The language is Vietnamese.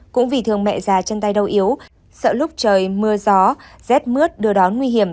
cũng vì thường mẹ già chân tay đau yếu sợ lúc trời mưa gió rét mướt đưa đón nguy hiểm